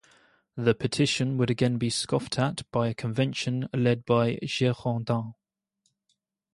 The petition would again be scoffed at by a Convention led by Girondins.